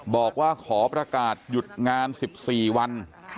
บอกว่าขอประกาศหยุดงาน๑๔วัน